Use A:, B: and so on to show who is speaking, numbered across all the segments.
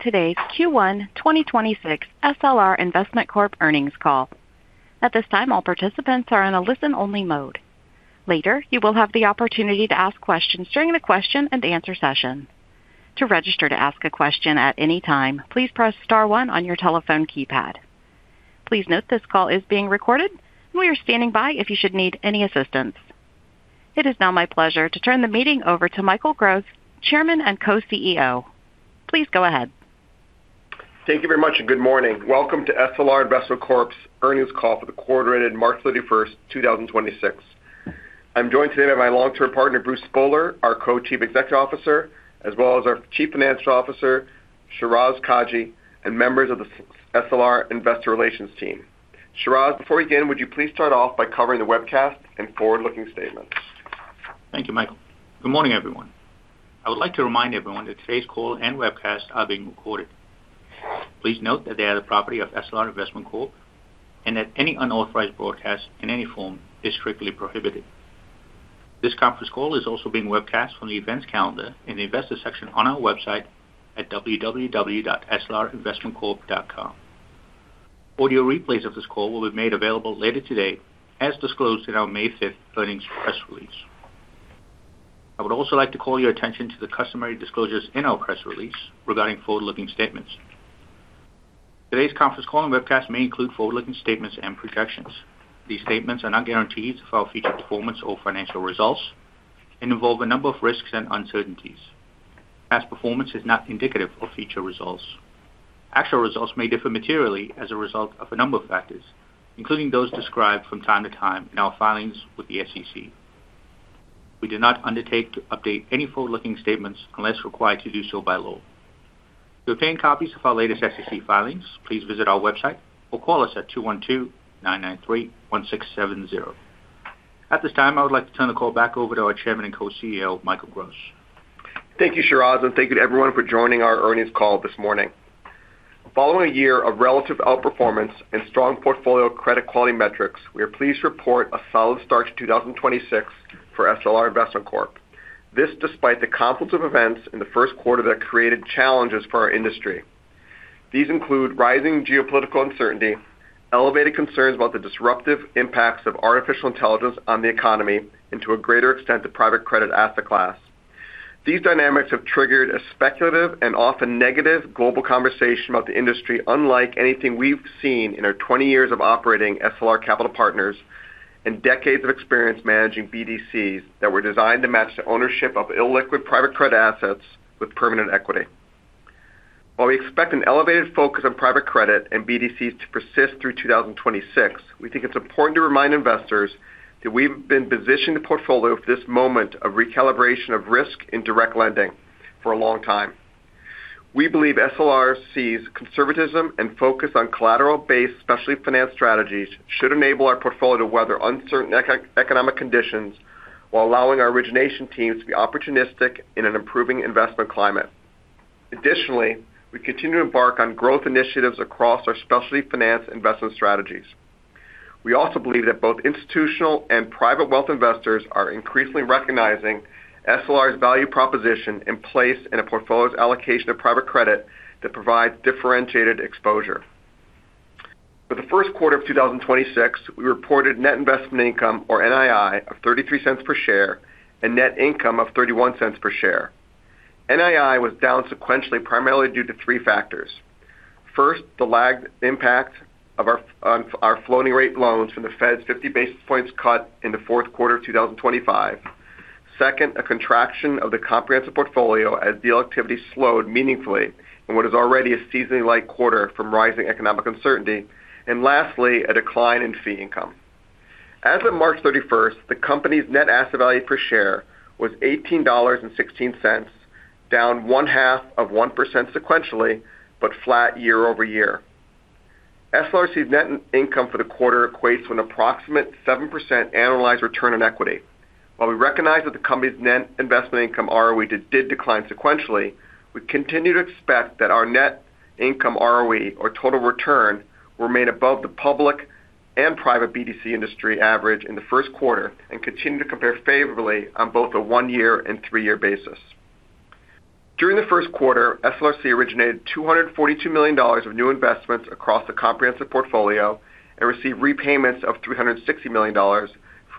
A: Today's Q1 2026 SLR Investment Corp earnings call. At this time, all participants are in a listen-only mode. Later, you will have the opportunity to ask questions during the question-and-answer session. To register to ask a question at any time, please press star one on your telephone keypad. Please note this call is being recorded, and we are standing by if you should need any assistance. It is now my pleasure to turn the meeting over to Michael Gross, Chairman and Co-CEO. Please go ahead.
B: Thank you very much, good morning. Welcome to SLR Investment Corp's earnings call for the quarter ended March 31st, 2026. I'm joined today by my long-term partner, Bruce Spohler, our Co-Chief Executive Officer, as well as our Chief Financial Officer, Shiraz Kajee, and members of the SLR Investor Relations team. Shiraz, before we begin, would you please start off by covering the webcast and forward-looking statements?
C: Thank you, Michael. Good morning, everyone. I would like to remind everyone that today's call and webcast are being recorded. Please note that they are the property of SLR Investment Corp., and that any unauthorized broadcast in any form is strictly prohibited. This conference call is also being webcast from the events calendar in the investor section on our website at www.slrinvestmentcorp.com. Audio replays of this call will be made available later today, as disclosed in our May 5th earnings press release. I would also like to call your attention to the customary disclosures in our press release regarding forward-looking statements. Today's conference call and webcast may include forward-looking statements and projections. These statements are not guarantees of our future performance or financial results and involve a number of risks and uncertainties. Past performance is not indicative of future results. Actual results may differ materially as a result of a number of factors, including those described from time to time in our filings with the SEC. We do not undertake to update any forward-looking statements unless required to do so by law. To obtain copies of our latest SEC filings, please visit our website or call us at 212-993-1670. At this time, I would like to turn the call back over to our Chairman and Co-CEO, Michael Gross.
B: Thank you, Shiraz, and thank you to everyone for joining our earnings call this morning. Following a year of relative outperformance and strong portfolio credit quality metrics, we are pleased to report a solid start to 2026 for SLR Investment Corp. This despite the confluence of events in the first quarter that created challenges for our industry. These include rising geopolitical uncertainty, elevated concerns about the disruptive impacts of artificial intelligence on the economy, and to a greater extent, the private credit asset class. These dynamics have triggered a speculative and often negative global conversation about the industry unlike anything we've seen in our 20 years of operating SLR Capital Partners and decades of experience managing business development companies that were designed to match the ownership of illiquid private credit assets with permanent equity. While we expect an elevated focus on private credit and BDCs to persist through 2026, we think it's important to remind investors that we've been positioning the portfolio for this moment of recalibration of risk in direct lending for a long time. We believe SLR's conservatism and focus on collateral-based specialty finance strategies should enable our portfolio to weather uncertain economic conditions while allowing our origination teams to be opportunistic in an improving investment climate. Additionally, we continue to embark on growth initiatives across our specialty finance investment strategies. We also believe that both institutional and private wealth investors are increasingly recognizing SLR's value proposition in place in a portfolio's allocation of private credit that provides differentiated exposure. For the first quarter of 2026, we reported net investment income or NII of $0.33 per share and net income of $0.31 per share. NII was down sequentially primarily due to three factors. First, the lagged impact on our floating rate loans from the Fed's 50 basis points cut in the fourth quarter of 2025. Second, a contraction of the comprehensive portfolio as deal activity slowed meaningfully in what is already a seasoning-like quarter from rising economic uncertainty. Lastly, a decline in fee income. As of March 31st, the company's net asset value per share was $18.16, down one half of 1% sequentially, but flat year-over-year. SLRC's net income for the quarter equates to an approximate 7% annualized return on equity. While we recognize that the company's net investment income ROE did decline sequentially, we continue to expect that our net income ROE or total return remain above the public and private BDC industry average in the first quarter and continue to compare favorably on both a one-year and three-year basis. During the first quarter, SLRC originated $242 million of new investments across the comprehensive portfolio and received repayments of $360 million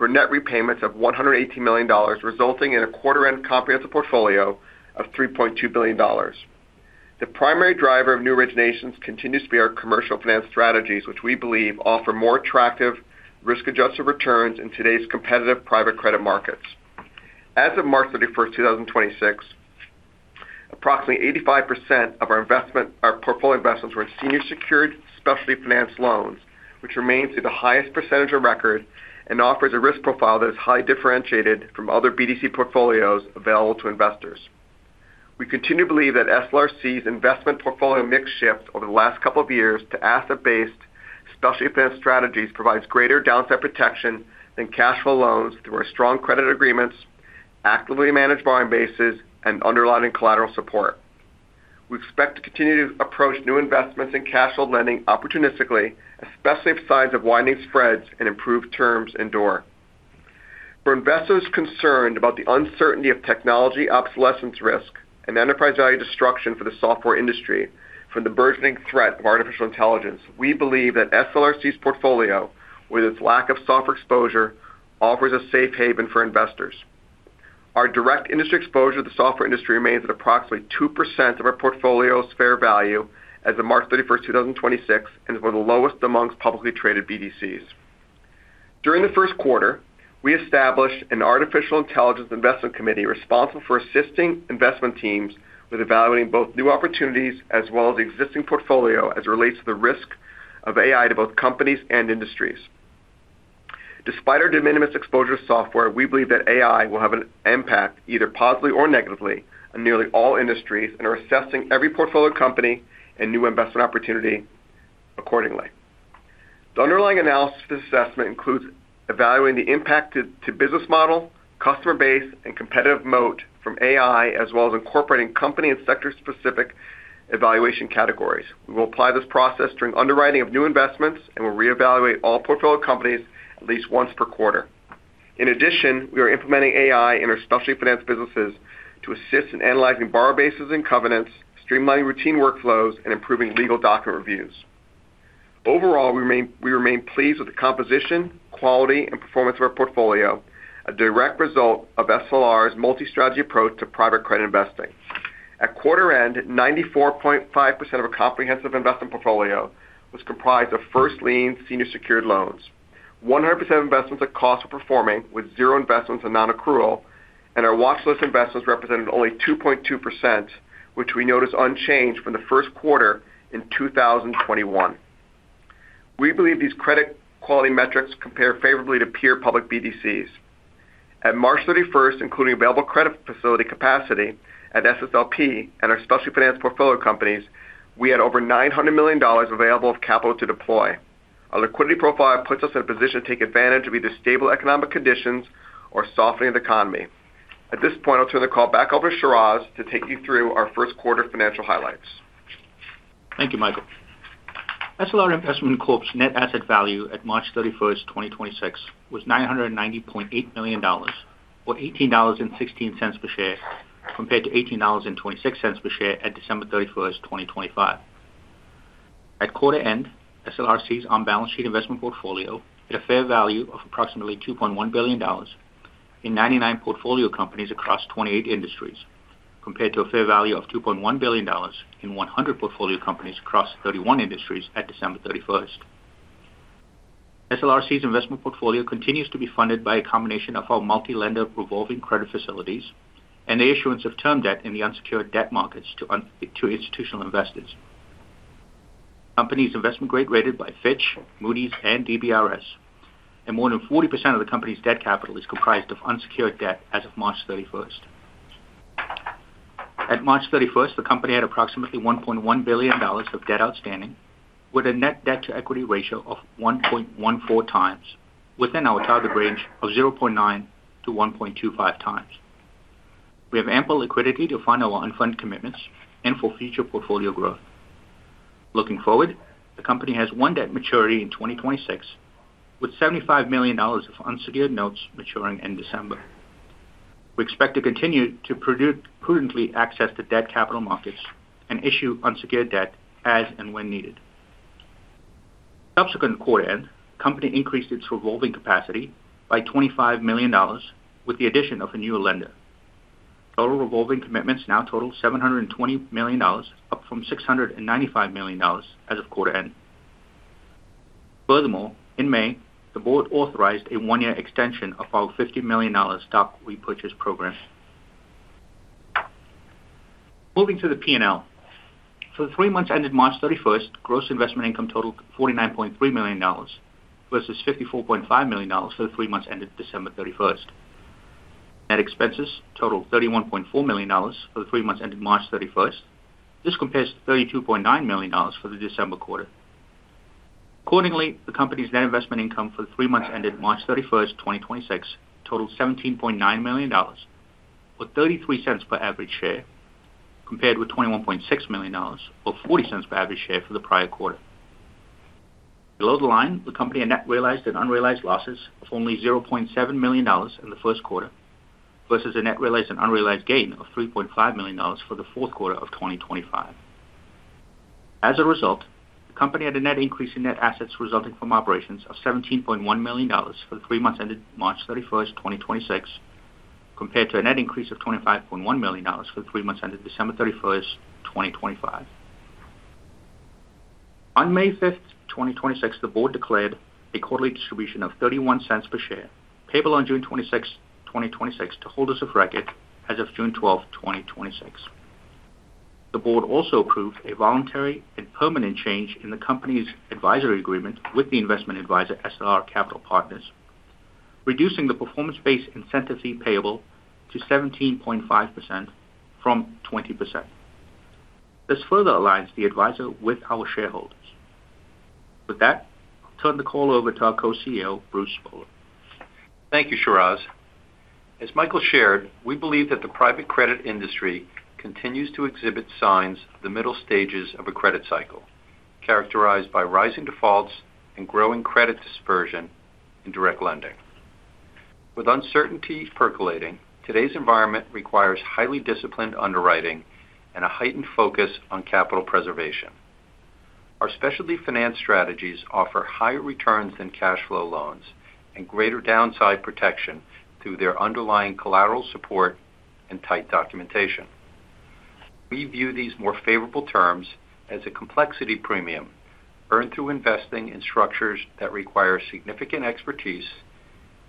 B: for net repayments of $180 million, resulting in a quarter-end comprehensive portfolio of $3.2 billion. The primary driver of new originations continues to be our commercial finance strategies, which we believe offer more attractive risk-adjusted returns in today's competitive private credit markets. As of March 31st, 2026, approximately 85% of our portfolio investments were in senior secured specialty finance loans, which remains to the highest percentage of record and offers a risk profile that is highly differentiated from other BDC portfolios available to investors. We continue to believe that SLRC's investment portfolio mix shift over the last couple of years to asset-based specialty finance strategies provides greater downside protection than cash flow loans through our strong credit agreements, actively managed borrowing bases, and underlying collateral support. We expect to continue to approach new investments in cash flow lending opportunistically, especially if signs of widening spreads and improved terms endure. For investors concerned about the uncertainty of technology obsolescence risk and enterprise value destruction for the software industry from the burgeoning threat of artificial intelligence, we believe that SLRC's portfolio, with its lack of software exposure, offers a safe haven for investors. Our direct industry exposure to the software industry remains at approximately 2% of our portfolio's fair value as of March 31st, 2026, and is one of the lowest amongst publicly traded BDCs. During the first quarter, we established an artificial intelligence investment committee responsible for assisting investment teams with evaluating both new opportunities as well as existing portfolio as it relates to the risk of AI to both companies and industries. Despite our de minimis exposure to software, we believe that AI will have an impact either positively or negatively on nearly all industries and are assessing every portfolio company and new investment opportunity accordingly. The underlying analysis of this assessment includes evaluating the impact to business model, customer base, and competitive moat from AI, as well as incorporating company and sector-specific evaluation categories. We will apply this process during underwriting of new investments and will reevaluate all portfolio companies at least once per quarter. In addition, we are implementing AI in our specialty finance businesses to assist in analyzing borrower bases and covenants, streamlining routine workflows, and improving legal docket reviews. Overall, we remain pleased with the composition, quality, and performance of our portfolio, a direct result of SLR's multi-strategy approach to private credit investing. At quarter end, 94.5% of our comprehensive investment portfolio was comprised of first lien senior secured loans. 100% of investments at cost were performing with zero investments in non-accrual, and our watch list investments represented only 2.2%, which we note is unchanged from the first quarter in 2021. We believe these credit quality metrics compare favorably to peer public BDCs. At March 31st, including available credit facility capacity at SSLP and our specialty finance portfolio companies, we had over $900 million available of capital to deploy. Our liquidity profile puts us in a position to take advantage of either stable economic conditions or softening of the economy. At this point, I'll turn the call back over to Shiraz to take you through our first quarter financial highlights.
C: Thank you, Michael. SLR Investment Corp.'s net asset value at March 31st, 2026, was $990.8 million, or $18.16 per share, compared to $18.26 per share at December 31st, 2025. At quarter end, SLRC's on-balance sheet investment portfolio at a fair value of approximately $2.1 billion in 99 portfolio companies across 28 industries, compared to a fair value of $2.1 billion in 100 portfolio companies across 31 industries at December 31st. SLRC's investment portfolio continues to be funded by a combination of our multi-lender revolving credit facilities and the issuance of term debt in the unsecured debt markets to institutional investors. Company's investment-grade rated by Fitch, Moody's and DBRS, and more than 40% of the company's debt capital is comprised of unsecured debt as of March 31st. At March 31st, the company had approximately $1.1 billion of debt outstanding with a net debt-to-equity ratio of 1.14x within our target range of 0.9x-1.25x. We have ample liquidity to fund our loan fund commitments and for future portfolio growth. Looking forward, the company has one debt maturity in 2026, with $75 million of unsecured notes maturing in December. We expect to continue to prudently access the debt capital markets and issue unsecured debt as and when needed. Subsequent to quarter end, the company increased its revolving capacity by $25 million with the addition of a new lender. Total revolving commitments now total $720 million, up from $695 million as of quarter end. Furthermore, in May, the board authorized a one-year extension of our $50 million stock repurchase program. Moving to the P&L. For the three months ended March 31st, gross investment income totaled $49.3 million versus $54.5 million for the three months ended December 31st. Net expenses totaled $31.4 million for the three months ended March 31st. This compares to $32.9 million for the December quarter. Accordingly, the company's net investment income for the three months ended March 31st, 2026 totaled $17.9 million, or $0.33 per average share, compared with $21.6 million or $0.40 per average share for the prior quarter. Below the line, the company had net realized and unrealized losses of only $0.7 million in the first quarter versus a net realized and unrealized gain of $3.5 million for the fourth quarter of 2025. As a result, the company had a net increase in net assets resulting from operations of $17.1 million for the three months ended March 31st, 2026, compared to a net increase of $25.1 million for the three months ended December 31st, 2025. On May 5th 2026, the board declared a quarterly distribution of $0.31 per share, payable on June 26, 2026 to holders of record as of June 12, 2026. The board also approved a voluntary and permanent change in the company's advisory agreement with the investment advisor, SLR Capital Partners, reducing the performance-based incentive fee payable to 17.5% from 20%. This further aligns the advisor with our shareholders. With that, I'll turn the call over to our Co-CEO, Bruce Spohler.
D: Thank you, Shiraz. As Michael shared, we believe that the private credit industry continues to exhibit signs of the middle stages of a credit cycle, characterized by rising defaults and growing credit dispersion in direct lending. With uncertainty percolating, today's environment requires highly disciplined underwriting and a heightened focus on capital preservation. Our specialty finance strategies offer higher returns than cash flow loans and greater downside protection through their underlying collateral support and tight documentation. We view these more favorable terms as a complexity premium earned through investing in structures that require significant expertise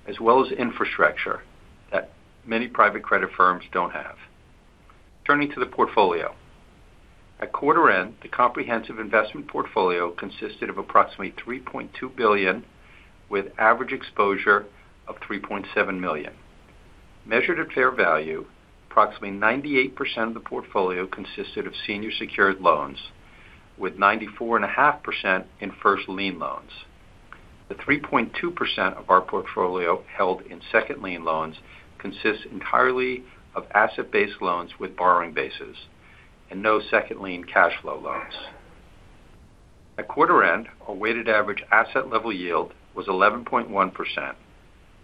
D: as well as infrastructure that many private credit firms don't have. Turning to the portfolio. At quarter end, the comprehensive investment portfolio consisted of approximately $3.2 billion, with average exposure of $3.7 million. Measured at fair value, approximately 98% of the portfolio consisted of senior secured loans, with 94.5% in first lien loans. The 3.2% of our portfolio held in second lien loans consists entirely of asset-based loans with borrowing bases and no second lien cash flow loans. At quarter end, our weighted average asset level yield was 11.1%,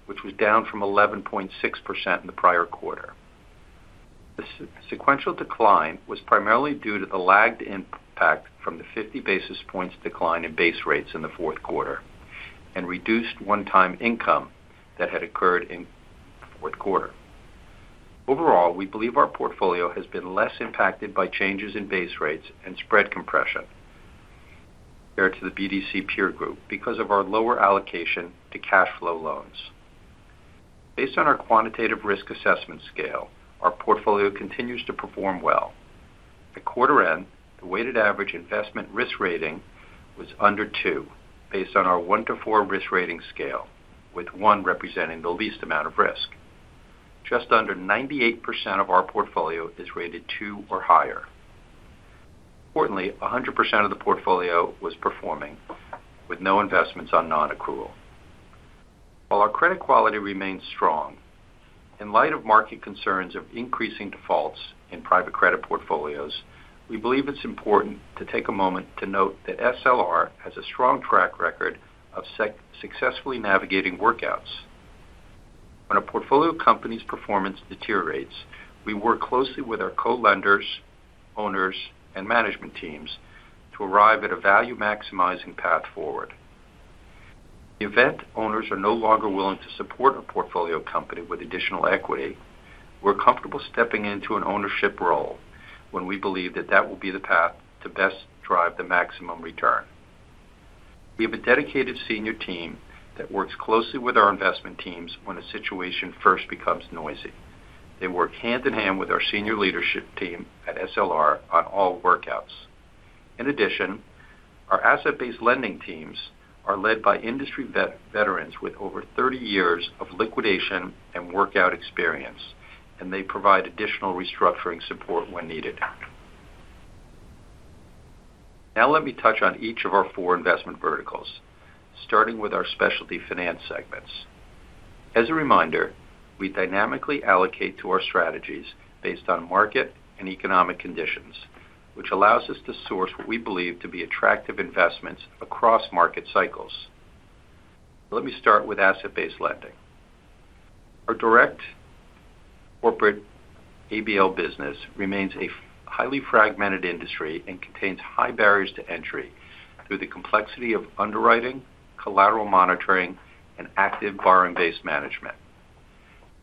D: which was down from 11.6% in the prior quarter. The sequential decline was primarily due to the lagged impact from the 50 basis points decline in base rates in the fourth quarter and reduced one-time income that had occurred in fourth quarter. Overall, we believe our portfolio has been less impacted by changes in base rates and spread compression compared to the BDC peer group because of our lower allocation to cash flow loans. Based on our quantitative risk assessment scale, our portfolio continues to perform well. At quarter end, the weighted average investment risk rating was under two based on our one to four risk rating scale, with one representing the least amount of risk. Just under 98% of our portfolio is rated two or higher. Importantly, 100% of the portfolio was performing with no investments on non-accrual. While our credit quality remains strong, in light of market concerns of increasing defaults in private credit portfolios, we believe it's important to take a moment to note that SLR has a strong track record of successfully navigating workouts. When a portfolio company's performance deteriorates, we work closely with our co-lenders, owners, and management teams to arrive at a value-maximizing path forward. In the event owners are no longer willing to support a portfolio company with additional equity, we're comfortable stepping into an ownership role when we believe that that will be the path to best drive the maximum return. We have a dedicated senior team that works closely with our investment teams when a situation first becomes noisy. They work hand in hand with our senior leadership team at SLR on all workouts. In addition, our asset-based lending teams are led by industry veterans with over 30 years of liquidation and workout experience, and they provide additional restructuring support when needed. Let me touch on each of our four investment verticals, starting with our specialty finance segments. As a reminder, we dynamically allocate to our strategies based on market and economic conditions, which allows us to source what we believe to be attractive investments across market cycles. Let me start with asset-based lending. Our direct corporate asset-based lending business remains a highly fragmented industry and contains high barriers to entry through the complexity of underwriting, collateral monitoring, and active borrowing-based management.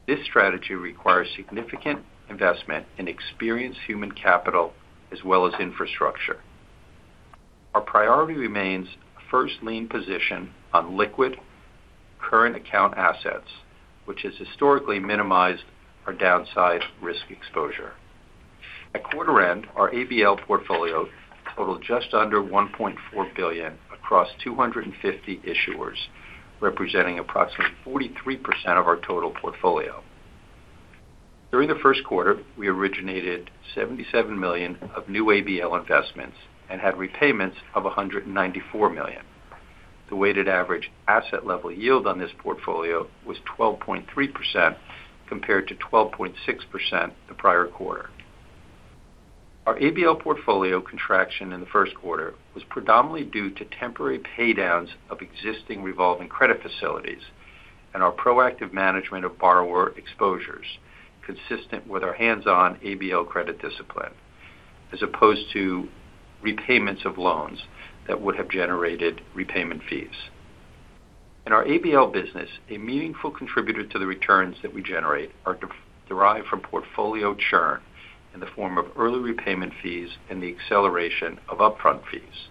D: This strategy requires significant investment in experienced human capital as well as infrastructure. Our priority remains a first lien position on liquid current account assets, which has historically minimized our downside risk exposure. At quarter end, our ABL portfolio totaled just under $1.4 billion across 250 issuers, representing approximately 43% of our total portfolio. During the first quarter, we originated $77 million of new ABL investments and had repayments of $194 million. The weighted average asset level yield on this portfolio was 12.3% compared to 12.6% the prior quarter. Our ABL portfolio contraction in the first quarter was predominantly due to temporary pay downs of existing revolving credit facilities and our proactive management of borrower exposures consistent with our hands-on ABL credit discipline, as opposed to repayments of loans that would have generated repayment fees. In our ABL business, a meaningful contributor to the returns that we generate are derived from portfolio churn in the form of early repayment fees and the acceleration of upfront fees.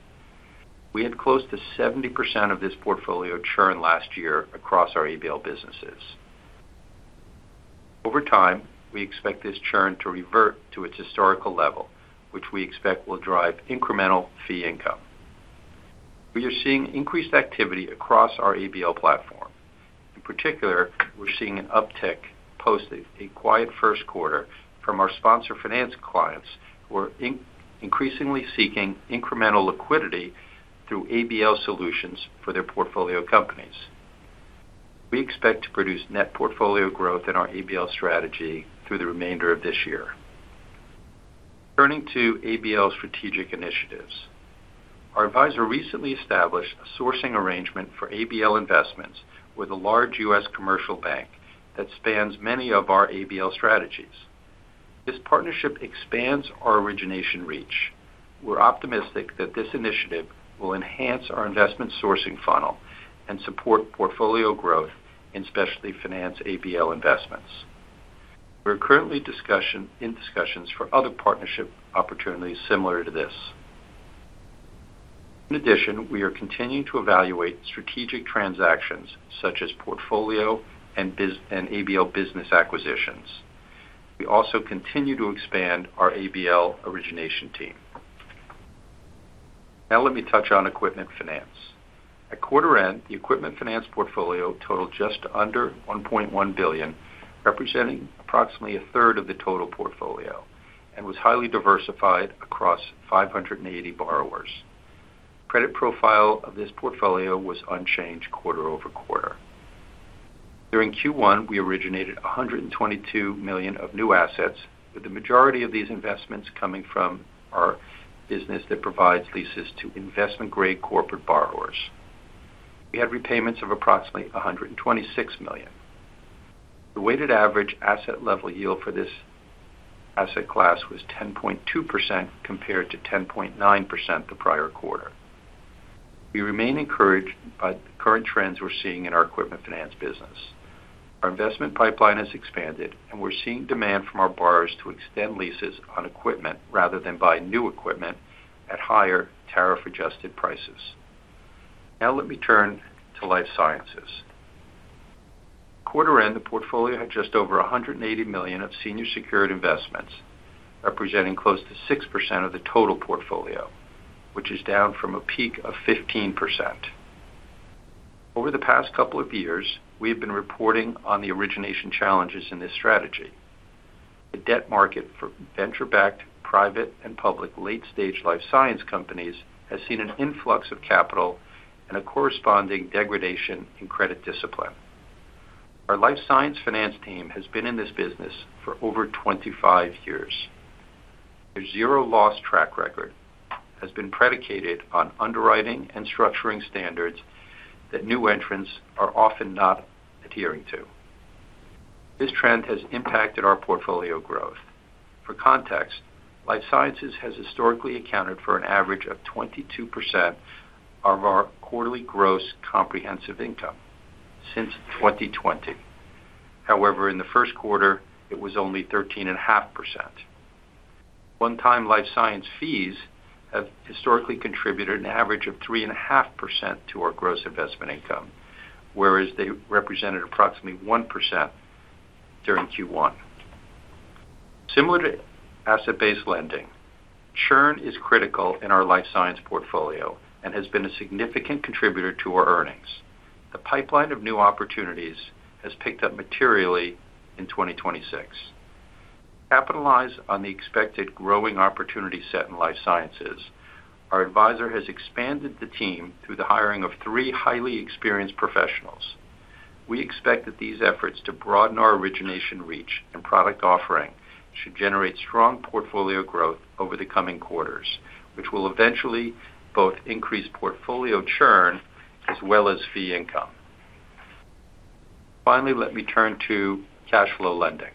D: We had close to 70% of this portfolio churn last year across our ABL businesses. Over time, we expect this churn to revert to its historical level, which we expect will drive incremental fee income. We are seeing increased activity across our ABL platform. In particular, we're seeing an uptick post a quiet 1st quarter from our sponsor finance clients who are increasingly seeking incremental liquidity through ABL solutions for their portfolio companies. We expect to produce net portfolio growth in our ABL strategy through the remainder of this year. Turning to ABL strategic initiatives. Our advisor recently established a sourcing arrangement for ABL investments with a large US commercial bank that spans many of our ABL strategies. This partnership expands our origination reach. We're optimistic that this initiative will enhance our investment sourcing funnel and support portfolio growth in specialty finance ABL investments. We're currently in discussions for other partnership opportunities similar to this. In addition, we are continuing to evaluate strategic transactions such as portfolio and ABL business acquisitions. We also continue to expand our ABL origination team. Now let me touch on equipment finance. At quarter end, the equipment finance portfolio totaled just under $1.1 billion, representing approximately a third of the total portfolio and was highly diversified across 580 borrowers. Credit profile of this portfolio was unchanged quarter-over-quarter. During Q1, we originated $122 million of new assets, with the majority of these investments coming from our business that provides leases to investment-grade corporate borrowers. We had repayments of approximately $126 million. The weighted average asset level yield for this asset class was 10.2% compared to 10.9% the prior quarter. We remain encouraged by the current trends we're seeing in our equipment finance business. Our investment pipeline has expanded, and we're seeing demand from our borrowers to extend leases on equipment rather than buy new equipment at higher tariff-adjusted prices. Let me turn to life sciences. Quarter end, the portfolio had just over $180 million of senior secured investments, representing close to 6% of the total portfolio, which is down from a peak of 15%. Over the past couple of years, we have been reporting on the origination challenges in this strategy. The debt market for venture-backed, private, and public late-stage life science companies has seen an influx of capital and a corresponding degradation in credit discipline. Our life science finance team has been in this business for over 25 years. Their zero loss track record has been predicated on underwriting and structuring standards that new entrants are often not adhering to. This trend has impacted our portfolio growth. For context, life sciences has historically accounted an average of 22% of our quarterly gross comprehensive income since 2020. However, in the first quarter, it was only 13.5%. One-time life sciences fees have historically contributed an average of 3.5% to our gross investment income, whereas they represented approximately 1% during Q1. Similar to asset-based lending, churn is critical in our life sciences portfolio and has been a significant contributor to our earnings. The pipeline of new opportunities has picked up materially in 2026. To capitalize on the expected growing opportunity set in life sciences, our advisor has expanded the team through the hiring of three highly experienced professionals. We expect that these efforts to broaden our origination reach and product offering should generate strong portfolio growth over the coming quarters, which will eventually both increase portfolio churn as well as fee income. Finally, let me turn to cash flow lending.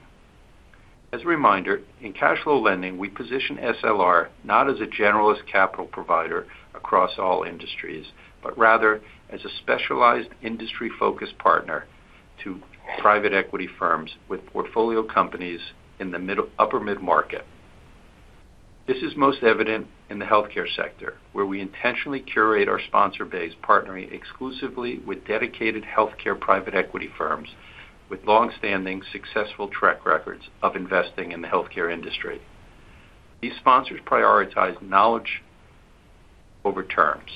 D: As a reminder, in cash flow lending, we position SLR not as a generalist capital provider across all industries, but rather as a specialized industry-focused partner to private equity firms with portfolio companies in the upper mid-market. This is most evident in the healthcare sector, where we intentionally curate our sponsor base, partnering exclusively with dedicated healthcare private equity firms with long-standing successful track records of investing in the healthcare industry. These sponsors prioritize knowledge over terms,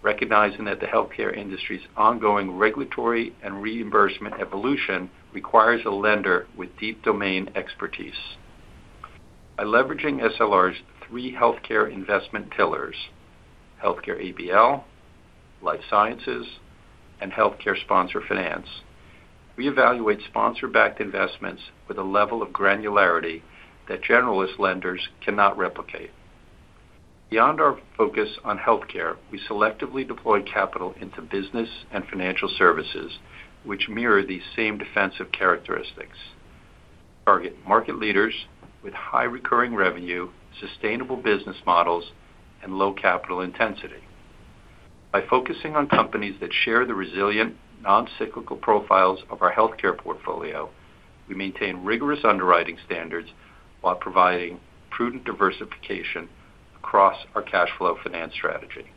D: recognizing that the healthcare industry's ongoing regulatory and reimbursement evolution requires a lender with deep domain expertise. By leveraging SLR's three healthcare investment pillars, healthcare ABL, life sciences, and healthcare sponsor finance, we evaluate sponsor-backed investments with a level of granularity that generalist lenders cannot replicate. Beyond our focus on healthcare, we selectively deploy capital into business and financial services, which mirror these same defensive characteristics. We target market leaders with high recurring revenue, sustainable business models, and low capital intensity. By focusing on companies that share the resilient non-cyclical profiles of our healthcare portfolio, we maintain rigorous underwriting standards while providing prudent diversification across our cash flow finance strategy.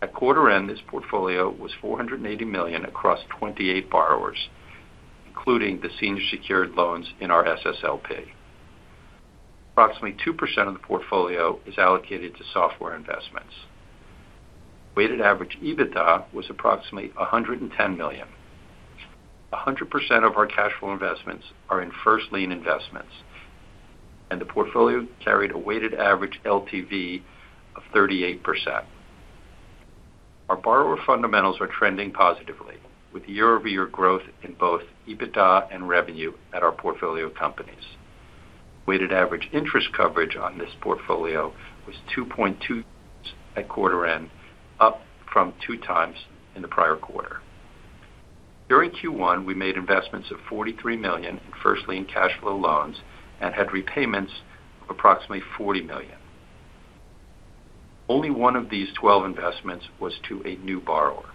D: At quarter end, this portfolio was $480 million across 28 borrowers, including the senior secured loans in our SSLP. Approximately 2% of the portfolio is allocated to software investments. Weighted average EBITDA was approximately $110 million. 100% of our cash flow investments are in first lien investments, and the portfolio carried a weighted average loan-to-value of 38%. Our borrower fundamentals are trending positively with year-over-year growth in both EBITDA and revenue at our portfolio companies. Weighted average interest coverage on this portfolio was 2.2x at quarter-end, up from 2x in the prior quarter. During Q1, we made investments of $43 million in first lien cash flow loans and had repayments of approximately $40 million. Only one of these 12 investments was to a new borrower.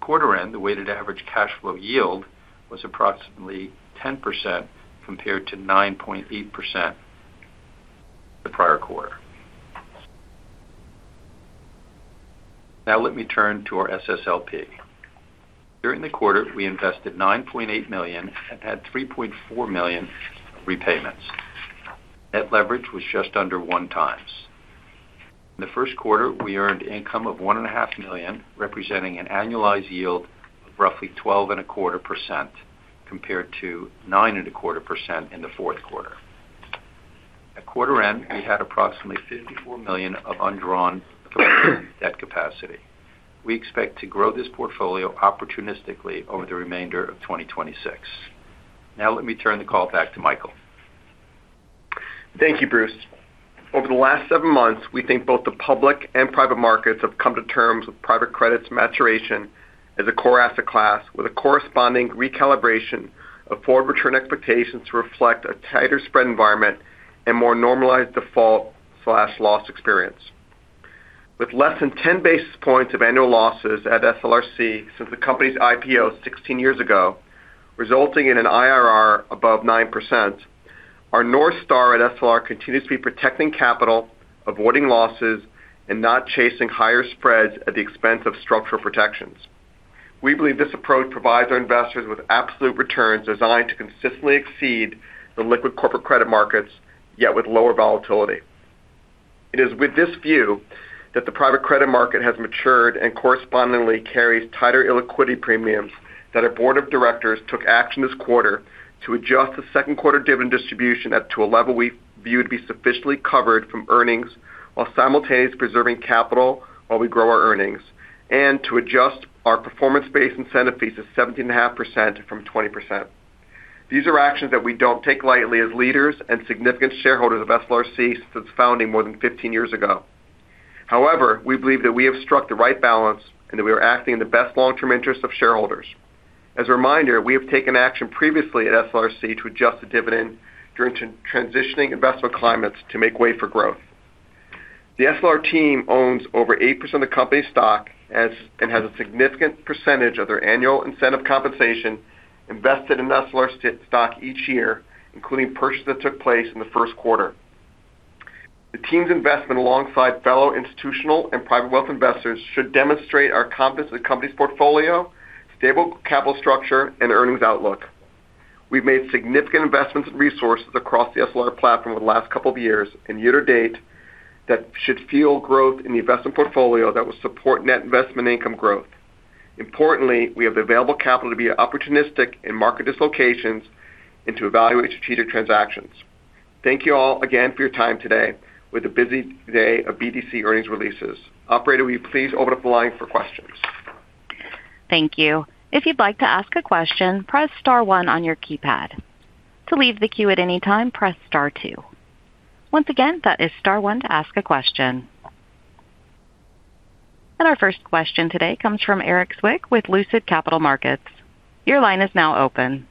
D: Quarter-end, the weighted average cash flow yield was approximately 10% compared to 9.8% the prior quarter. Now let me turn to our SSLP. During the quarter, we invested $9.8 million and had $3.4 million repayments. Net leverage was just under 1x. In the first quarter, we earned income of $1.5million, representing an annualized yield of roughly 12.25% compared to 9.25% In the fourth quarter. At quarter end, we had approximately $54 million of undrawn debt capacity. We expect to grow this portfolio opportunistically over the remainder of 2026. Let me turn the call back to Michael.
B: Thank you, Bruce. Over the last seven months, we think both the public and private markets have come to terms with private credit's maturation as a core asset class with a corresponding recalibration of forward return expectations to reflect a tighter spread environment and more normalized default/loss experience. With less than 10 basis points of annual losses at SLRC since the company's IPO 16 years ago, resulting in an IRR above 9%, our North Star at SLR continues to be protecting capital, avoiding losses, and not chasing higher spreads at the expense of structural protections. We believe this approach provides our investors with absolute returns designed to consistently exceed the liquid corporate credit markets, yet with lower volatility. It is with this view that the private credit market has matured and correspondingly carries tighter illiquidity premiums that our board of directors took action this quarter to adjust the second quarter dividend distribution up to a level we view to be sufficiently covered from earnings while simultaneously preserving capital while we grow our earnings and to adjust our performance-based incentive fees to 17.5% from 20%. These are actions that we don't take lightly as leaders and significant shareholders of SLRC since founding more than 15 years ago. However, we believe that we have struck the right balance and that we are acting in the best long-term interest of shareholders. As a reminder, we have taken action previously at SLRC to adjust the dividend during transitioning investment climates to make way for growth. The SLR team owns over 8% of the company's stock and has a significant percentage of their annual incentive compensation invested in SLR stock each year, including purchase that took place in the first quarter. The team's investment alongside fellow institutional and private wealth investors should demonstrate our confidence in the company's portfolio, stable capital structure and earnings outlook. We've made significant investments and resources across the SLR platform over the last two years and year to date that should fuel growth in the investment portfolio that will support net investment income growth. Importantly, we have the available capital to be opportunistic in market dislocations and to evaluate strategic transactions. Thank you all again for your time today with a busy day of BDC earnings releases. Operator, will you please open up the line for questions?
A: Thank you. If you'd like to ask a question, press star one on your keypad. To leave the queue at any time, press star two. Once again, that is star one to ask a question. Our first question today comes from Erik Zwick with Lucid Capital Markets. Your line is now open.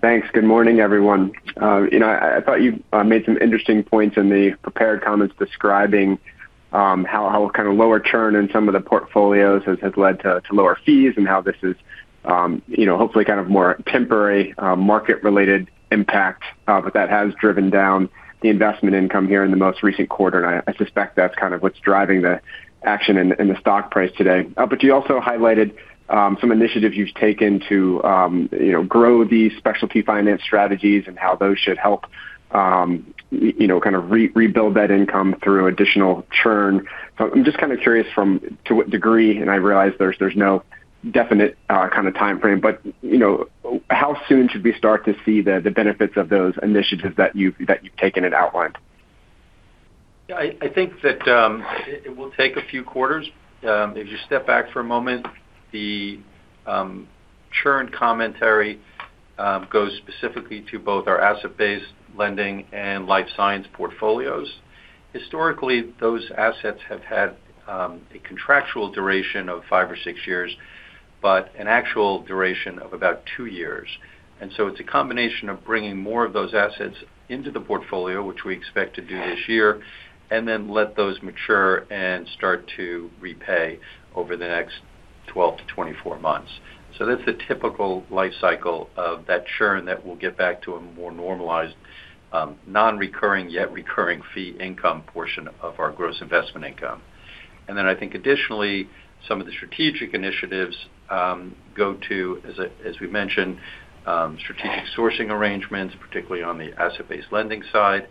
E: Thanks. Good morning, everyone. You know, I thought you made some interesting points in the prepared comments describing how kind of lower churn in some of the portfolios has led to lower fees and how this is, you know, hopefully kind of more temporary, market-related impact, but that has driven down the investment income here in the most recent quarter. I suspect that's kind of what's driving the action in the stock price today. You also highlighted some initiatives you've taken to, you know, grow these specialty finance strategies and how those should help, you know, kind of rebuild that income through additional churn. I'm just kind of curious to what degree, and I realize there's no definite, kind of timeframe, but, you know, how soon should we start to see the benefits of those initiatives that you've taken and outlined?
D: Yeah, I think that it will take a few quarters. If you step back for a moment, the churn commentary goes specifically to both our asset-based lending and life sciences portfolios. Historically, those assets have had a contractual duration of five or six years, but an actual duration of about two years. It's a combination of bringing more of those assets into the portfolio, which we expect to do this year, and then let those mature and start to repay over the next 12 months-24 months. That's the typical life cycle of that churn that will get back to a more normalized, non-recurring yet recurring fee income portion of our gross investment income. I think additionally, some of the strategic initiatives go to, as we mentioned, strategic sourcing arrangements, particularly on the asset-based lending side.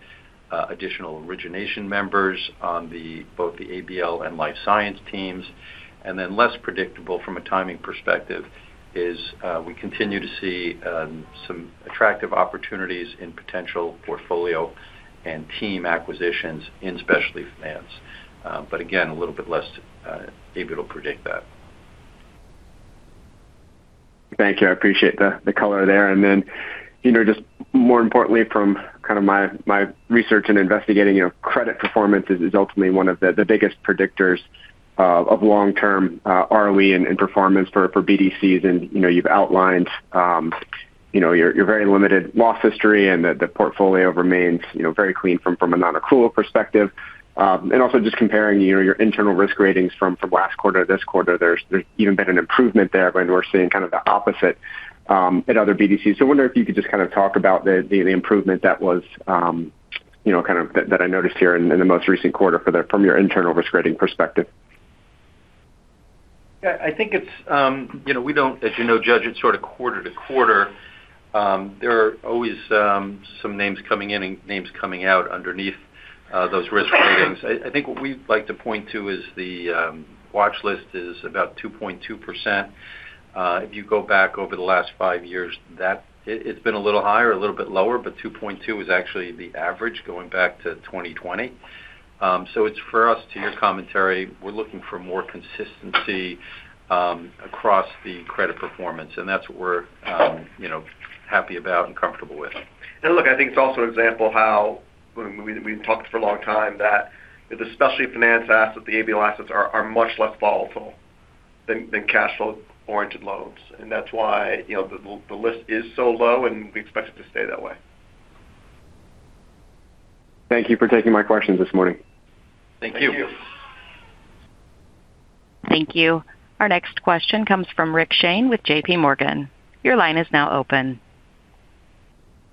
D: Additional origination members on both the ABL and life sciences teams. Less predictable from a timing perspective is we continue to see some attractive opportunities in potential portfolio and team acquisitions in specialty finance. Again, a little bit less able to predict that.
E: Thank you. I appreciate the color there. You know, just more importantly from kind of my research and investigating, you know, credit performance is ultimately one of the biggest predictors of long-term ROE and performance for BDCs. You know, you've outlined, you know, your very limited loss history and the portfolio remains, you know, very clean from a non-accrual perspective. Also just comparing, you know, your internal risk ratings from last quarter to this quarter. There's even been an improvement there when we're seeing kind of the opposite at other BDCs. I wonder if you could just kind of talk about the improvement that was, you know, kind of, that I noticed here in the most recent quarter from your internal risk rating perspective.
D: Yeah, I think it's, you know, we don't, as you know, judge it sort of quarter to quarter. There are always some names coming in and names coming out underneath those risk ratings. I think what we like to point to is the watch list is about 2.2%. If you go back over the last five years, it's been a little higher, a little bit lower, but 2.2% is actually the average going back to 2020. It's for us, to your commentary, we're looking for more consistency across the credit performance. That's what we're, you know, happy about and comfortable with.
B: Look, I think it's also an example how when we've talked for a long time that the specialty finance assets, the ABL assets are much less volatile than cash flow-oriented loans. That's why, you know, the list is so low, and we expect it to stay that way.
E: Thank you for taking my questions this morning.
D: Thank you.
B: Thank you.
A: Thank you. Our next question comes from Rick Shane with JPMorgan. Your line is now open.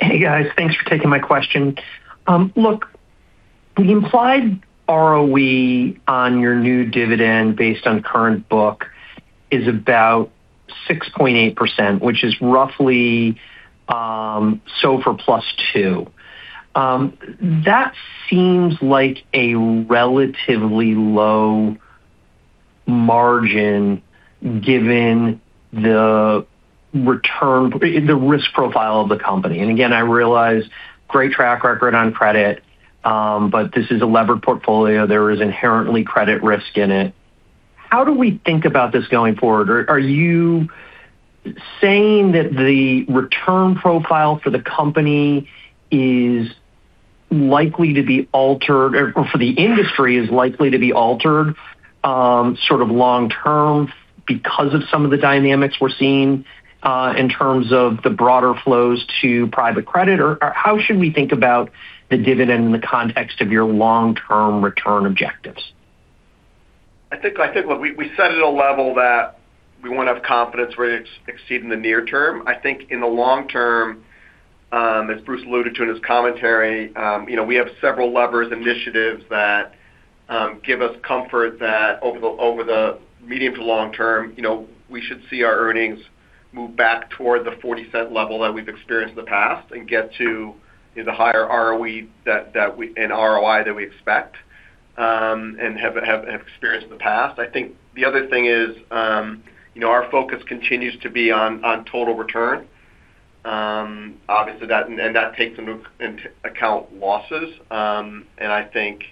F: Hey, guys. Thanks for taking my question. Look, the implied ROE on your new dividend based on current book is about 6.8%, which is roughly SOFR +2. That seems like a relatively low margin given the risk profile of the company. Again, I realize great track record on credit, but this is a levered portfolio. There is inherently credit risk in it. How do we think about this going forward? Are you saying that the return profile for the company is likely to be altered or for the industry is likely to be altered sort of long term because of some of the dynamics we're seeing in terms of the broader flows to private credit? How should we think about the dividend in the context of your long-term return objectives?
B: I think, we set it at a level that we wanna have confidence we're gonna exceed in the near term. I think in the long term, as Bruce alluded to in his commentary, you know, we have several levers initiatives that give us comfort that over the medium to long term, you know, we should see our earnings move back toward the $0.40 level that we've experienced in the past and get to the higher ROE and ROI that we expect and have experienced in the past. I think the other thing is, you know, our focus continues to be on total return. Obviously, and that takes into account losses. I think,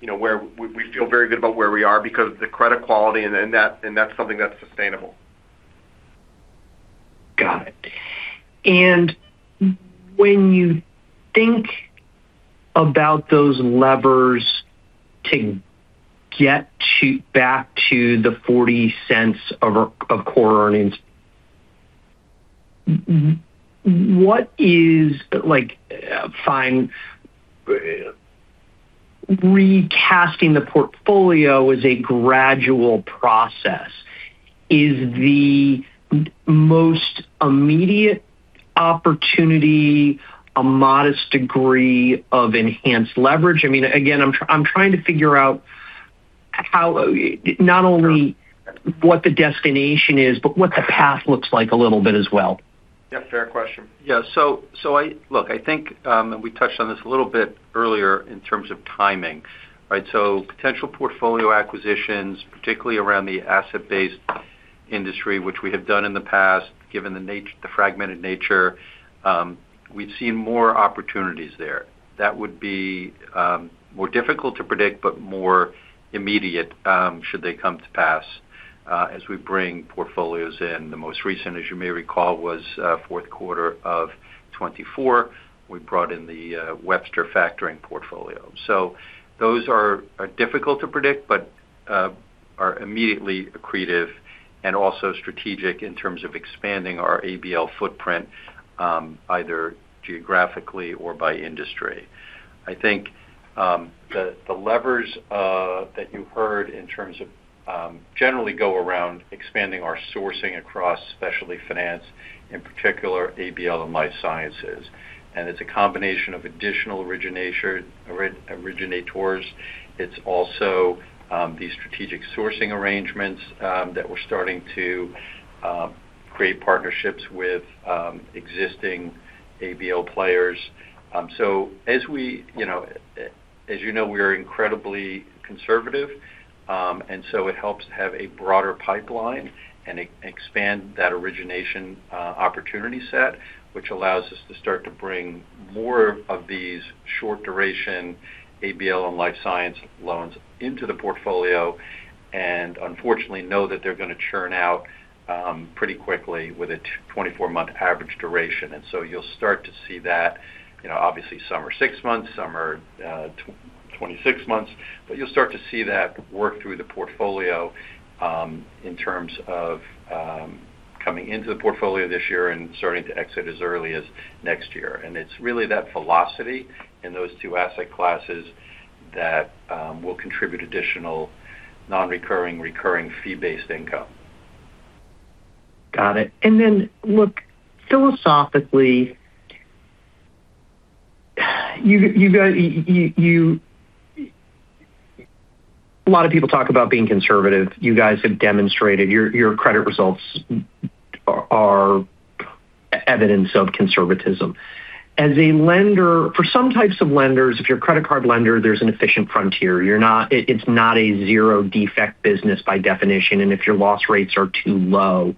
B: you know, where we feel very good about where we are because the credit quality and that's something that's sustainable.
F: Got it. When you think about those levers to get back to the $0.40 of core earnings, Recasting the portfolio is a gradual process. Is the most immediate opportunity a modest degree of enhanced leverage? I mean, again, I'm trying to figure out how, not only what the destination is, but what the path looks like a little bit as well.
B: Yeah, fair question.
D: We touched on this a little bit earlier in terms of timing, right? Potential portfolio acquisitions, particularly around the asset-based lending, which we have done in the past, given the fragmented nature, we've seen more opportunities there. That would be more difficult to predict, but more immediate, should they come to pass, as we bring portfolios in. The most recent, as you may recall, was fourth quarter of 2024. We brought in the Webster Bank factoring portfolio. Those are difficult to predict, but are immediately accretive and also strategic in terms of expanding our ABL footprint, either geographically or by industry. I think the levers that you heard in terms of generally go around expanding our sourcing across specialty finance, in particular ABL and life sciences. It's a combination of additional originators. It's also the strategic sourcing arrangements that we're starting to create partnerships with existing ABL players. As we, you know, as you know, we are incredibly conservative, and it helps to have a broader pipeline and expand that origination opportunity set, which allows us to start to bring more of these short duration ABL and life science loans into the portfolio and unfortunately know that they're gonna churn out pretty quickly with a 24-month average duration. You'll start to see that. You know, obviously some are six months, some are 26 months. You'll start to see that work through the portfolio, in terms of, coming into the portfolio this year and starting to exit as early as next year. It's really that velocity in those two asset classes that, will contribute additional non-recurring, recurring fee-based income.
F: Got it. Look, [crosstak] a lot of people talk about being conservative. You guys have demonstrated. Your credit results are evidence of conservatism. As a lender, for some types of lenders, if you're a credit card lender, there's an efficient frontier. It's not a zero-defect business by definition, and if your loss rates are too low,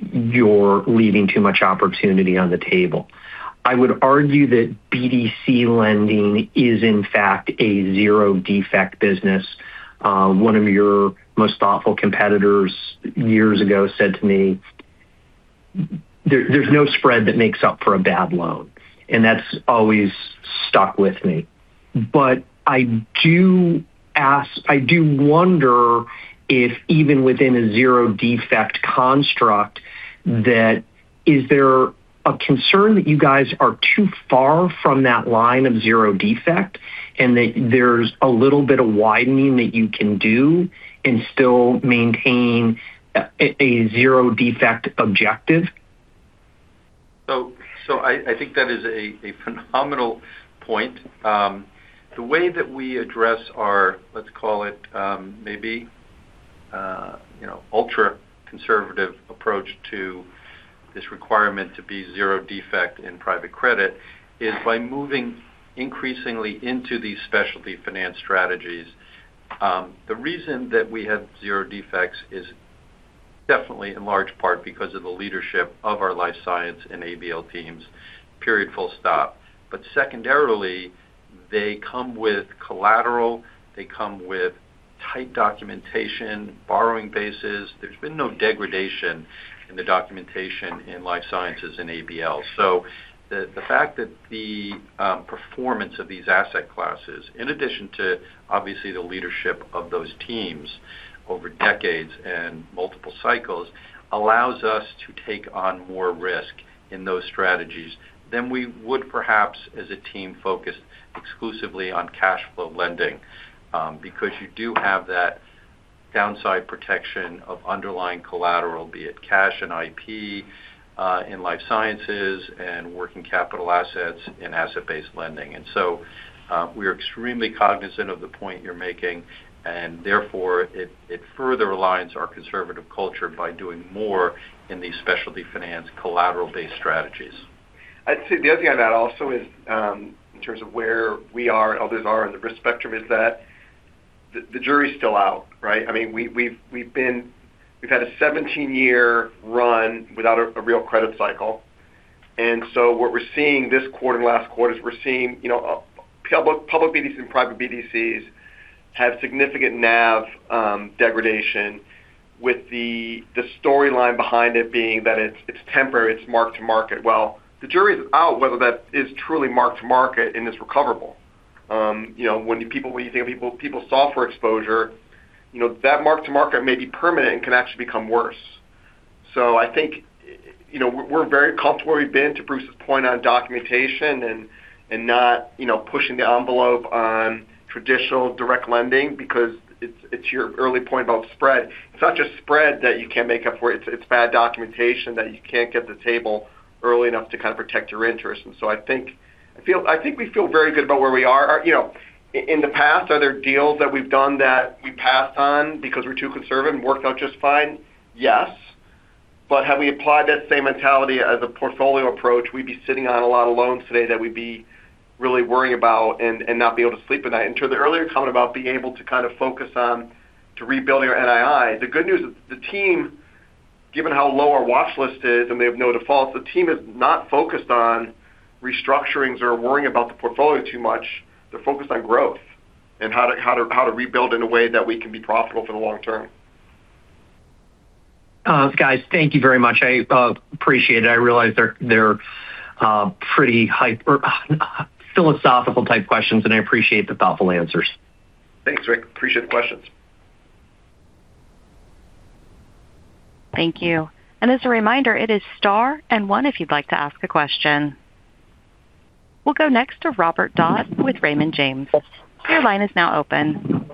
F: you're leaving too much opportunity on the table. I would argue that BDC lending is in fact a zero-defect business. One of your most thoughtful competitors years ago said to me, "There's no spread that makes up for a bad loan," and that's always stuck with me. I do wonder if even within a zero-defect construct that is there a concern that you guys are too far from that line of zero defect and that there's a little bit of widening that you can do and still maintain a zero-defect objective?
D: I think that is a phenomenal point. The way that we address our, let's call it, you know, ultra-conservative approach to this requirement to be zero defect in private credit is by moving increasingly into these specialty finance strategies. The reason that we have zero defects is definitely in large part because of the leadership of our life sciences and ABL teams, period, full stop. Secondarily, they come with collateral, they come with tight documentation, borrowing bases. There's been no degradation in the documentation in life sciences and ABL. The fact that the performance of these asset classes, in addition to obviously the leadership of those teams over decades and multiple cycles, allows us to take on more risk in those strategies than we would perhaps as a team focused exclusively on cash flow lending. Because you do have that downside protection of underlying collateral, be it cash and intellectual property, in life sciences and working capital assets in asset-based lending. We are extremely cognizant of the point you're making, and therefore it further aligns our conservative culture by doing more in these specialty finance collateral-based strategies.
B: I'd say the other thing on that also is, in terms of where we are and others are in the risk spectrum is that the jury's still out, right? I mean, we've had a 17-year run without a real credit cycle. What we're seeing this quarter and last quarter is we're seeing, you know, public BDCs and private BDCs have significant NAV degradation with the storyline behind it being that it's temporary, it's mark to market. Well, the jury is out whether that is truly mark to market and is recoverable. You know, when you think of people's software exposure, you know, that mark to market may be permanent and can actually become worse. I think, you know, we're very comfortable where we've been, to Bruce's point, on documentation and not, you know, pushing the envelope on traditional direct lending because it's your early point about spread. It's not just spread that you can't make up for. It's bad documentation that you can't get to the table early enough to kind of protect your interests. I think we feel very good about where we are. You know, in the past, are there deals that we've done that we passed on because we're too conservative and worked out just fine? Yes. Had we applied that same mentality as a portfolio approach, we'd be sitting on a lot of loans today that we'd be really worrying about and not be able to sleep at night. To the earlier comment about being able to kind of focus on to rebuilding our NII, the good news is the team, given how low our watch list is and we have no defaults, the team is not focused on restructurings or worrying about the portfolio too much. They're focused on growth and how to rebuild in a way that we can be profitable for the long term.
F: Guys, thank you very much. I appreciate it. I realize they're pretty hype or philosophical type questions, and I appreciate the thoughtful answers.
B: Thanks, Rick. Appreciate the questions.
A: Thank you. As a reminder, it is star and one if you'd like to ask a question. We'll go next to Robert Dodd with Raymond James. Your line is now open.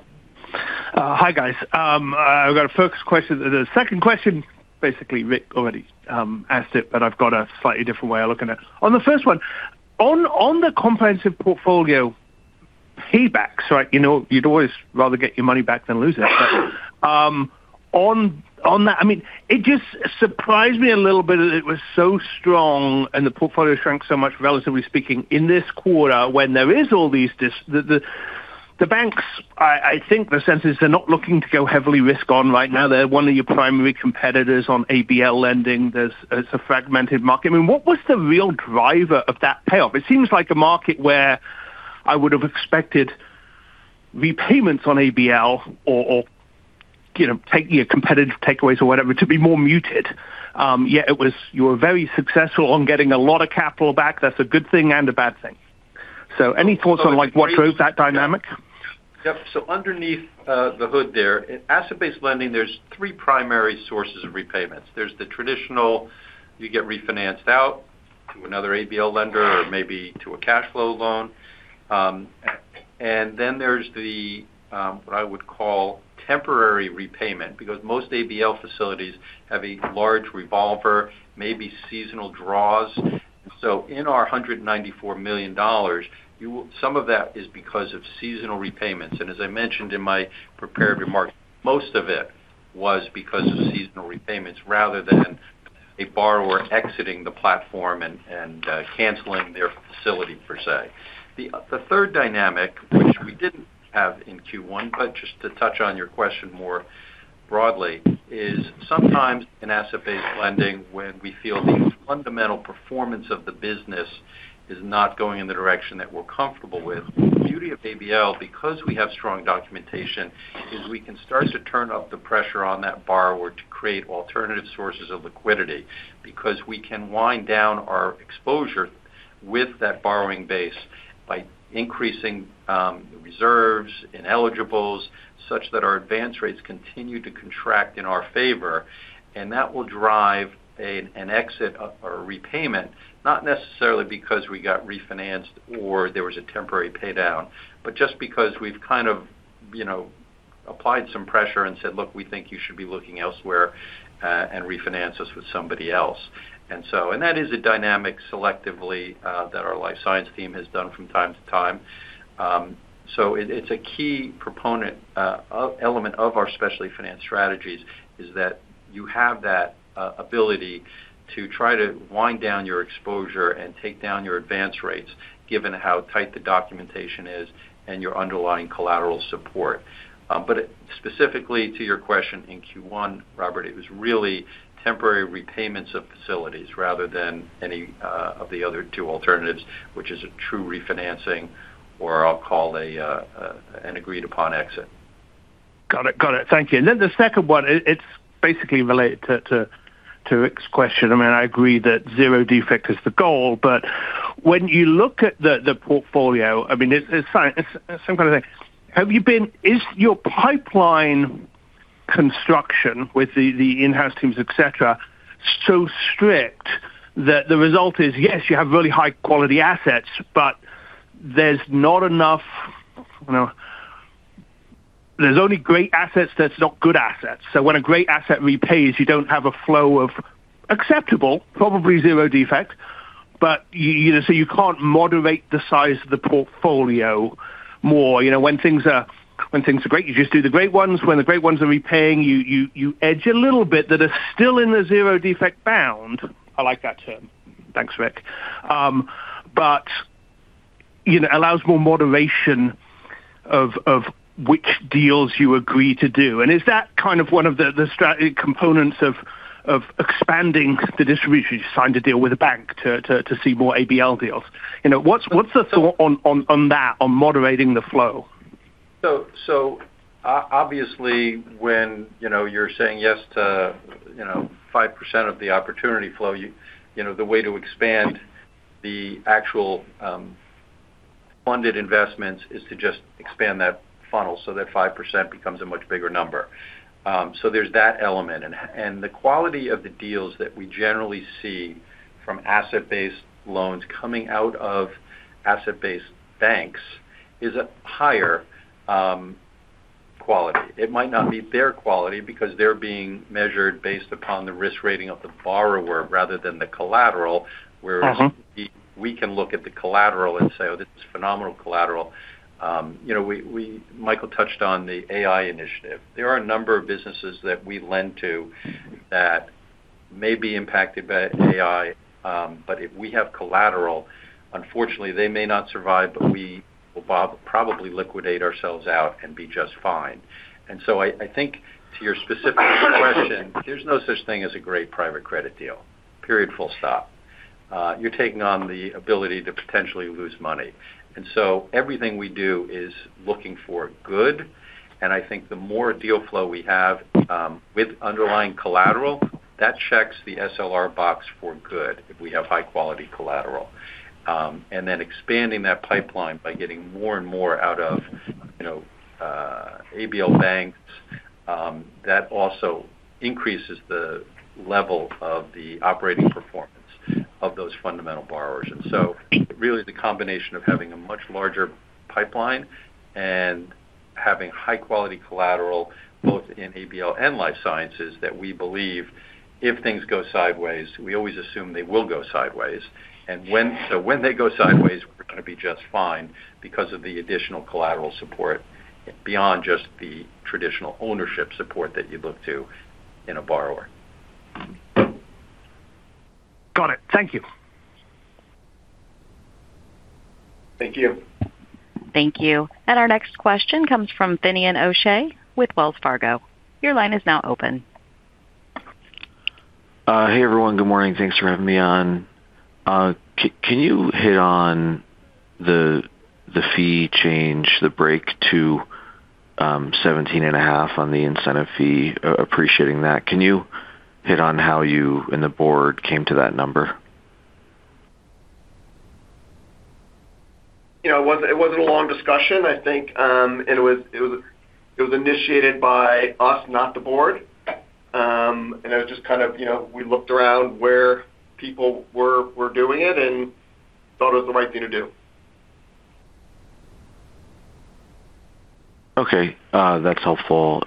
G: Hi, guys. I've got a focus question. The second question, basically Rick already asked it, but I've got a slightly different way of looking at it. On the first one, on the comprehensive portfolio Paybacks, right? You know, you'd always rather get your money back than lose it. On that I mean, it just surprised me a little bit that it was so strong and the portfolio shrank so much, relatively speaking, in this quarter when there is all these the banks, I think the sense is they're not looking to go heavily risk on right now. They're one of your primary competitors on ABL lending. It's a fragmented market. I mean, what was the real driver of that payoff? It seems like a market where I would have expected repayments on ABL or, you know, taking your competitive takeaways or whatever to be more muted. Yet you were very successful on getting a lot of capital back. That's a good thing and a bad thing. Any thoughts on like what drove that dynamic?
D: Yep. Underneath the hood there, in asset-based lending, there's three primary sources of repayments. There's the traditional, you get refinanced out to another ABL lender or maybe to a cash flow loan. Then there's the what I would call temporary repayment because most ABL facilities have a large revolver, maybe seasonal draws. In our $194 million, some of that is because of seasonal repayments. As I mentioned in my prepared remarks, most of it was because of seasonal repayments rather than a borrower exiting the platform and canceling their facility per se. The third dynamic, which we didn't have in Q1, but just to touch on your question more broadly, is sometimes in asset-based lending when we feel the fundamental performance of the business is not going in the direction that we're comfortable with. The beauty of ABL, because we have strong documentation, is we can start to turn up the pressure on that borrower to create alternative sources of liquidity because we can wind down our exposure with that borrowing base by increasing reserves, ineligibles, such that our advance rates continue to contract in our favor. That will drive an exit or a repayment, not necessarily because we got refinanced or there was a temporary pay down, but just because we've kind of, you know, applied some pressure and said, "Look, we think you should be looking elsewhere and refinance us with somebody else." That is a dynamic selectively that our life science team has done from time to time. It, it's a key proponent, element of our specialty finance strategies is that you have that ability to try to wind down your exposure and take down your advance rates given how tight the documentation is and your underlying collateral support. Specifically to your question in Q1, Robert, it was really temporary repayments of facilities rather than any of the other two alternatives, which is a true refinancing or I'll call a an agreed upon exit.
G: Got it. Got it. Thank you. The second one, it's basically related to Rick's question. I mean, I agree that zero defect is the goal, but when you look at the portfolio, I mean, it's fine. It's some kind of thing. Is your pipeline construction with the in-house teams, et cetera, so strict that the result is, yes, you have really high quality assets, but there's not enough You know, there's only great assets, there's not good assets. When a great asset repays, you don't have a flow of acceptable, probably zero defect. You know, you can't moderate the size of the portfolio more. You know, when things are great, you just do the great ones. When the great ones are repaying, you edge a little bit that are still in the zero defect bound.
F: I like that term.
G: Thanks, Rick. You know, allows more moderation of which deals you agree to do. Is that kind of one of the components of expanding the distribution? You signed a deal with a bank to see more ABL deals. You know, what's the thought on that, on moderating the flow?
D: Obviously when, you know, you're saying yes to, you know, 5% of the opportunity flow, you know, the way to expand the actual funded investments is to just expand that funnel so that 5% becomes a much bigger number. There's that element. The quality of the deals that we generally see from asset-based loans coming out of asset-based banks is a higher quality. It might not be their quality because they're being measured based upon the risk rating of the borrower rather than the collateral. Whereas we can look at the collateral and say, "Oh, this is phenomenal collateral." You know, Michael touched on the AI Initiative. There are a number of businesses that we lend to that may be impacted by AI, but if we have collateral, unfortunately, they may not survive, but we will probably liquidate ourselves out and be just fine. I think to your specific question, there's no such thing as a great private credit deal. Period. Full stop. You're taking on the ability to potentially lose money. Everything we do is looking for good. I think the more deal flow we have, with underlying collateral, that checks the SLR box for good if we have high quality collateral. Expanding that pipeline by getting more and more out of ABL banks, that also increases the level of the operating performance of those fundamental borrowers. The combination of having a much larger pipeline and having high quality collateral both in ABL and life sciences that we believe if things go sideways, we always assume they will go sideways. When they go sideways, we're gonna be just fine because of the additional collateral support beyond just the traditional ownership support that you look to in a borrower.
G: Got it. Thank you.
B: Thank you.
A: Thank you. Our next question comes from Finian O'Shea with Wells Fargo. Your line is now open.
H: Hey, everyone. Good morning. Thanks for having me on. Can you hit on the fee change, the break to 17.5% on the incentive fee, appreciating that? Can you hit on how you and the board came to that number?
B: You know, it wasn't a long discussion. I think, it was initiated by us, not the board. It was just kind of, you know, we looked around where people were doing it and thought it was the right thing to do.
H: Okay. That's helpful.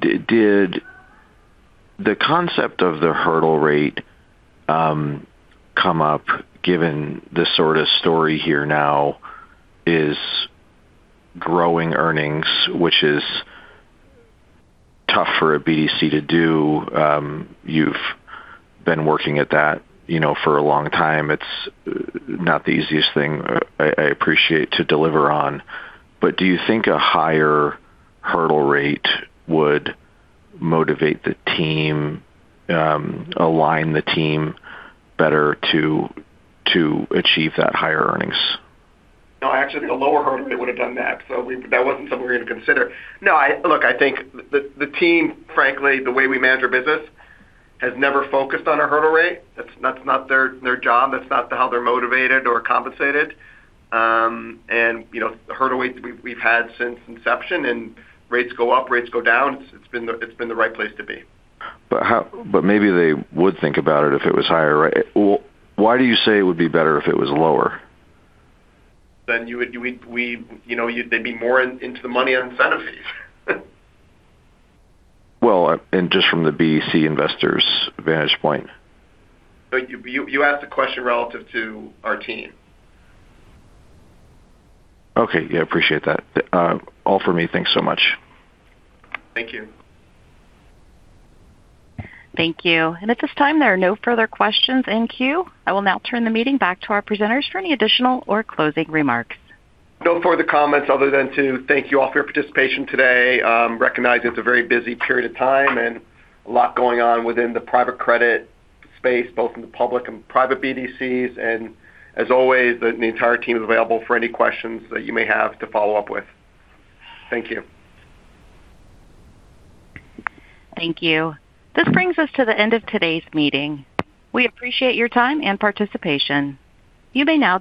H: Did the concept of the hurdle rate come up given the sort of story here now is growing earnings, which is tough for a BDC to do? You've been working at that, you know, for a long time. It's not the easiest thing, I appreciate to deliver on. Do you think a higher hurdle rate would motivate the team, align the team better to achieve that higher earnings?
B: No, actually, the lower hurdle rate would have done that. That wasn't something we're gonna consider. No, I think the team, frankly, the way we manage our business has never focused on a hurdle rate. That's not their job. That's not how they're motivated or compensated. You know, the hurdle rates we've had since inception and rates go up, rates go down. It's been the right place to be.
H: Maybe they would think about it if it was higher, right? Why do you say it would be better if it was lower?
B: You know, they'd be more into the money on incentive fees.
H: Well, just from the BDC investor's vantage point.
B: You asked the question relative to our team.
H: Okay. Yeah, appreciate that. All for me. Thanks so much.
B: Thank you.
A: Thank you. At this time, there are no further questions in queue. I will now turn the meeting back to our presenters for any additional or closing remarks.
B: No further comments other than to thank you all for your participation today. Recognize it's a very busy period of time and a lot going on within the private credit space, both in the public and private BDCs. As always, the entire team is available for any questions that you may have to follow up with. Thank you.
A: Thank you. This brings us to the end of today's meeting. We appreciate your time and participation. You may now disconnect your lines.